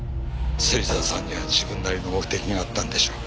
芹沢さんには自分なりの目的があったんでしょう。